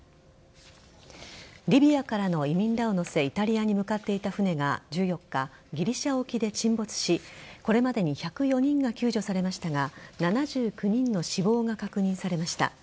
リビアからの移民らを乗せイタリアに向かっていた船が１４日ギリシャ沖で沈没しこれまでに１０４人が救助されましたが７９人の死亡が確認されました。